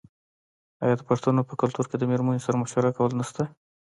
آیا د پښتنو په کلتور کې د میرمنې سره مشوره کول نشته؟